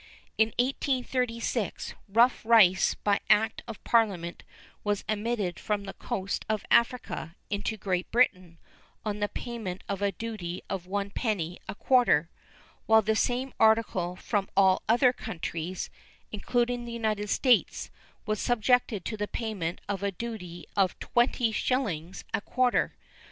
In 1836 rough rice by act of Parliament was admitted from the coast of Africa into Great Britain on the payment of a duty of 1 penny a quarter, while the same article from all other countries, including the United States, was subjected to the payment of a duty of 20 shillings a quarter.